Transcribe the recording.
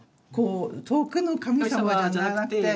遠くの神様じゃなくて。